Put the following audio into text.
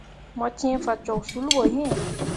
Mo cẽe fah cok sul ɓo iŋ.